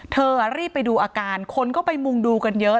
เธอรีบไปดูอาการคนก็ไปมุงดูกันเยอะ